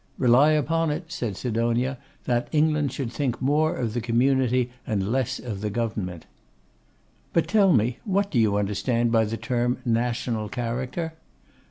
'Rely upon it,' said Sidonia, 'that England should think more of the community and less of the government.' 'But tell me, what do you understand by the term national character?